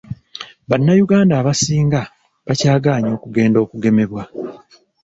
Bannayuganda abasinga bakyagaanye okugenda okugemebwa.